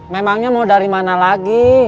memangnya mau dari mana lagi